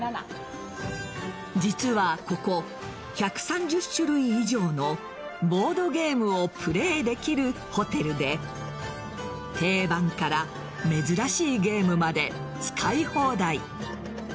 実はここ、１３０種類以上のボードゲームをプレーできるホテルで定番から珍しいゲームまで使い放題。